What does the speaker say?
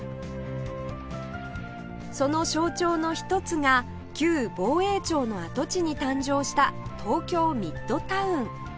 その象徴の一つが旧防衛庁の跡地に誕生した東京ミッドタウン